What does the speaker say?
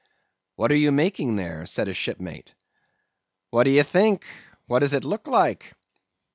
"'What are you making there?' said a shipmate. "'What do you think? what does it look like?